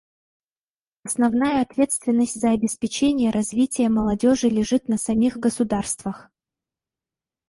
Основная ответственность за обеспечение развития молодежи лежит на самих государствах.